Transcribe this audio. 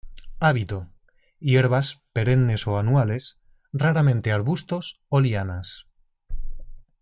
Hábito: Hierbas, perennes o anuales, raramente arbustos o lianas.